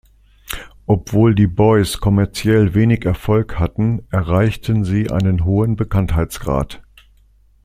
Obwohl die Boys kommerziell wenig Erfolg hatten, erreichten sie einen hohen Bekanntheitsgrad.